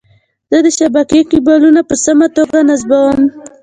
زه د شبکې کیبلونه په سمه توګه نصبووم.